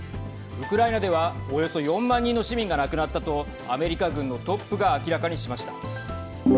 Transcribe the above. ウクライナでは、およそ４万人の市民が亡くなったとアメリカ軍のトップが明らかにしました。